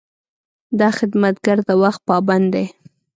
دا خدمتګر د وخت پابند دی.